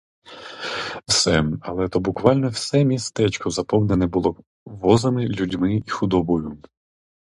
Все, але то буквально все містечко заповнене було возами, людьми і худобою.